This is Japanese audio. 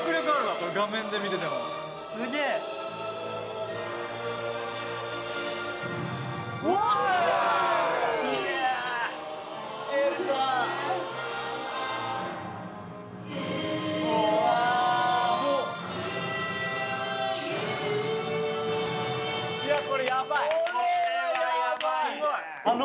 これはやばい！